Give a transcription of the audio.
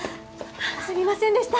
すみませんでした。